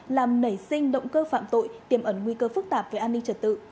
làm nảy sinh động cơ phạm tội tiềm ẩn nguy cơ phức tạp về an ninh trật tự